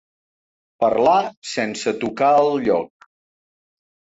Parlar sense tocar al lloc.